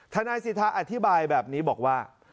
ทนายสิทธาอธิบายแบบนี้บอกว่า